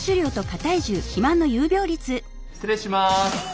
失礼します。